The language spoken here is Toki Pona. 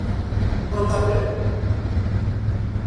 o lape!